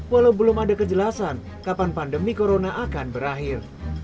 walau belum ada kejelasan kapan pandemi corona akan berakhir